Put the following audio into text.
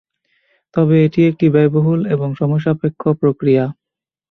তবে এটি একটি ব্যয়বহুল এবং সময় সাপেক্ষে প্রক্রিয়া।